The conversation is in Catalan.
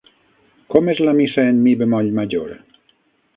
Com és la missa en mi bemoll major?